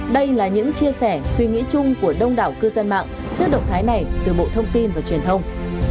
đây là những chia sẻ suy nghĩ chung của đông đảo cư dân mạng trước động thái này từ bộ thông tin và truyền thông